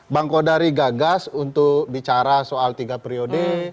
bang kodari gagas untuk bicara soal tiga periode